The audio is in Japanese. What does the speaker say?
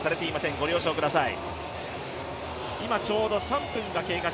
ご了承ください。